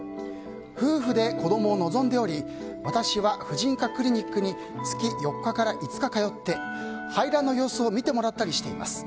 夫婦で子供を望んでおり私は婦人科クリニックに月４日から５日通って排卵の様子を診てもらったりしています。